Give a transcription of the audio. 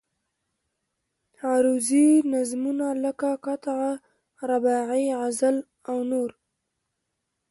عروضي نظمونه لکه قطعه، رباعي، غزل او نور.